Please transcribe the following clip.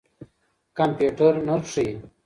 کمپيوټر نرخ ښيي.